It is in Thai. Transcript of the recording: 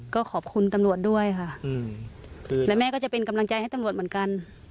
ก็ขอบคุณตำรวจด้วยค่ะและแม่ก็จะเป็นกำลังใจให้ตำรวจเหมือนกัน